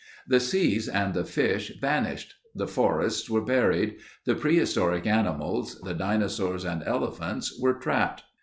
The seas and the fish vanished. The forests were buried. The prehistoric animals, the dinosaurs and elephants were trapped.